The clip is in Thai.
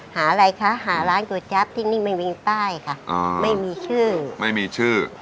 อะไรคะหาร้านก๋วยจั๊บที่นี่ไม่มีป้ายค่ะไม่มีชื่อไม่มีชื่อ